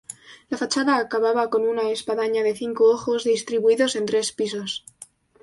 La fachada acababa con una espadaña de cinco ojos distribuidos en tres pisos.